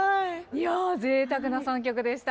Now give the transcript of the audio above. いやぜいたくな３曲でした。